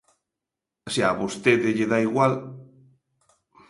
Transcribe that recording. Se a vostede lle dá igual.